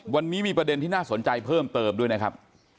วันนี้มีประเด็นที่น่าสนใจเพิ่มเติมด้วยนะครับ